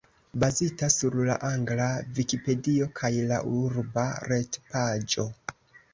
Bazita sur la angla Vikipedio kaj la urba retpaĝo.